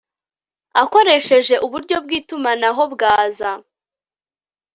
akoresheje uburyo bw itumanaho bwaza